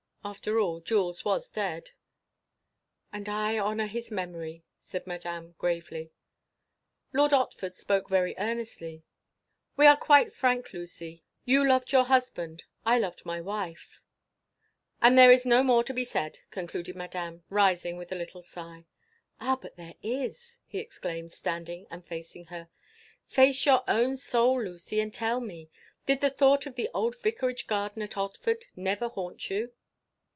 After all, Jules was dead. "And I honour his memory," said Madame, gravely. Lord Otford spoke very earnestly. "We are quite frank, Lucy: you loved your husband; I loved my wife—" "And there is no more to be said," concluded Madame, rising, with a little sigh. "Ah! but there is!" he exclaimed, standing and facing her. "Face your own soul, Lucy, and tell me: did the thought of the old vicarage garden at Otford never haunt you?"